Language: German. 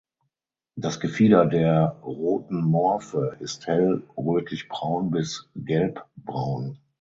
Das Gefieder der roten Morphe ist hell rötlich braun bis gelbbraun.